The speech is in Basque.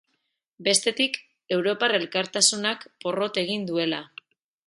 Bestetik, europar elkartasunak porrot egin duela.